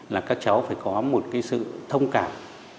là các cháu phải có một sự thông cảm